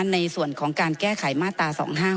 ในส่วนของการแก้ไขมาตรา๒๕๖